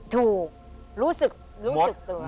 รู้สึกรู้สึกตัว